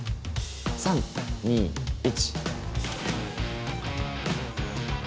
３２１